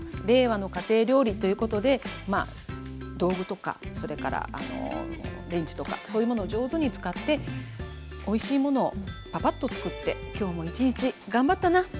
令和の家庭料理ということで道具とかそれからレンジとかそういうものを上手に使っておいしいものをパパッと作って今日も一日頑張ったな